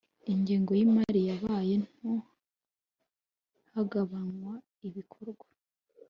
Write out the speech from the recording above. Ingengo y’imari yabaye nto hagabanywa ibikorwa